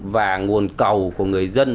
và nguồn cầu của người dân